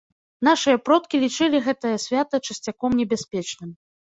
Нашыя продкі лічылі гэтае свята часцяком небяспечным.